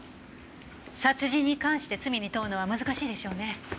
殺人に関して罪に問うのは難しいでしょうね。